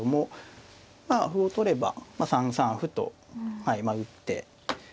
まあ歩を取れば３三歩と打って。